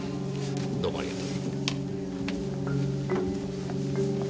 どうもありがとう。